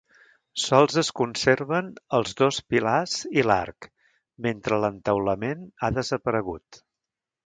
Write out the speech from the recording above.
Sols es conserven els dos pilars i l'arc, mentre l'entaulament ha desaparegut.